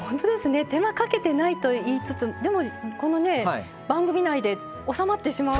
手間かけてないと言いつつでも、番組内で収まってしまう。